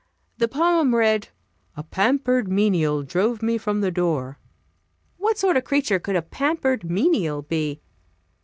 The poem read: "A pampered menial drove me from the door." What sort of creature could a "pampered menial" be?